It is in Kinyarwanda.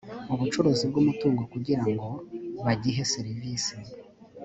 ubucuruzi bw umutungo kugira ngo bagihe serivisi